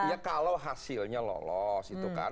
ya kalau hasilnya lolos itu kan